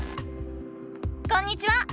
こんにちは！